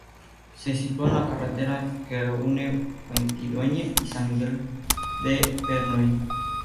Se sitúa en la carretera que une Fuentidueña y San Miguel de Bernuy.